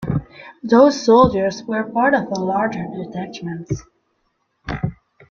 These soldiers were part of a larger detachment.